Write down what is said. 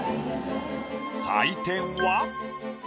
採点は。